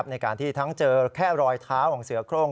ในการที่ทั้งเจอแค่รอยเท้าของเสือโครง